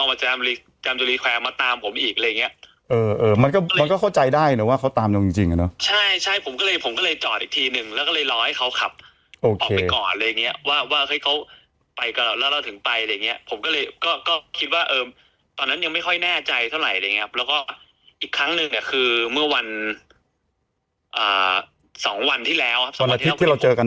ว่าเขาตามจริงจริงอะเนอะใช่ใช่ผมก็เลยผมก็เลยจอดอีกทีหนึ่งแล้วก็เลยรอให้เขาขับโอเคออกไปก่อนอะไรอย่างเงี้ยว่าว่าเขาไปก่อนแล้วเราถึงไปอะไรอย่างเงี้ยผมก็เลยก็ก็คิดว่าเออตอนนั้นยังไม่ค่อยแน่ใจเท่าไหร่อะไรอย่างเงี้ยแล้วก็อีกครั้งหนึ่งอะคือเมื่อวันอ่าสองวันที่แล้วครับสองวันอาทิตย์ที่เราเจอกัน